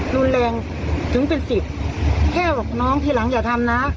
รุนแรงถึงเป็นสิทธิ์แค่บอกน้องทีหลังอย่าทำนะ